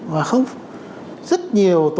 và không rất nhiều tổ chức cá nhân quốc tế